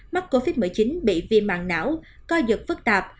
mắc covid một mươi chín bị viêm mạng não coi dược phức tạp